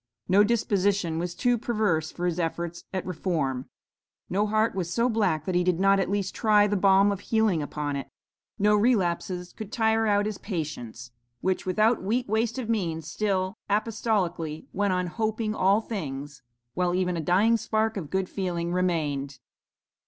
No disposition was too perverse for his efforts at reform; no heart was so black that he did not at least try the balm of healing upon it; no relapses could tire out his patience, which, without weak waste of means still apostolically went on 'hoping all things,' while even a dying spark of good feeling remained.